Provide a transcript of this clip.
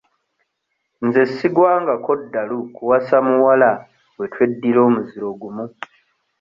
Nze sigwangako ddalu kuwasa muwala bwe tweddira muziro gumu.